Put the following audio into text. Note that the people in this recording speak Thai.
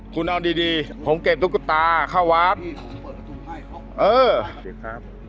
คุณนอนดีผมเก็บตู้ตาข้าวัด